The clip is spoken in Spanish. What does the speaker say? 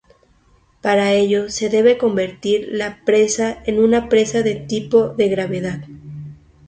Para ello se debe convierte la presa en una presa de tipo de gravedad.